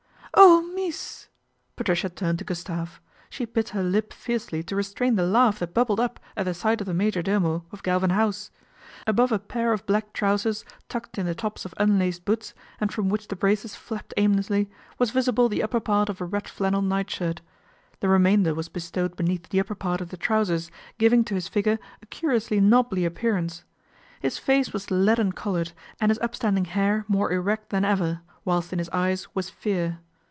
" Oh, mees !" Patricia turned to Gustave. She bit her lip fiercely to restrain the laugh that bubbled up at the sight of the major domo of Galvin House. Above a pair of black trousers, tucked in the tops of unlaced boots, and from which the braces flapped aimlessly, was visible the upper part of a red flannel night shirt. The remainder was be stowed beneath the upper part of the trousers, giving to his figure a curiously knobbly appear ance. His face was leaden coloured and his upstanding hair more erect than ever, whilst in his eyes was Fear.